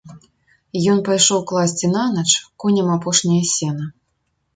Ён пайшоў класці нанач коням апошняе сена.